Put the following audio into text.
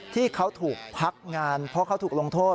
ที่เขาถูกพักงานเพราะเขาถูกลงโทษ